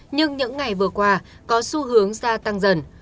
nhưng những ngày vừa qua có xu hướng gia tăng dần